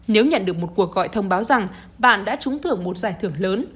nếu nhận được một cuộc gọi thông báo rằng bạn đã trúng thưởng một giải thưởng lớn